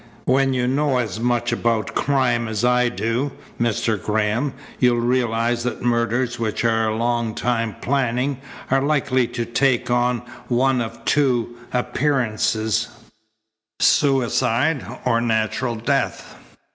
"When you know as much about crime as I do, Mr. Graham, you'll realize that murders which are a long time planning are likely to take on one of two appearances suicide or natural death."